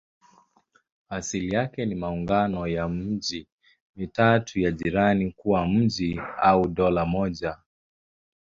Asili yake ni maungano ya miji mitatu ya jirani kuwa mji au dola moja.